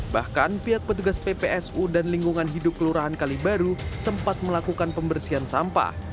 bahkan pihak petugas ppsu dan lingkungan hidup kelurahan kalibaru sempat melakukan pembersihan sampah